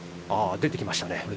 出てきましたね。